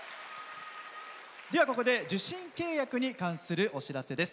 ここで受信契約に関するお知らせです。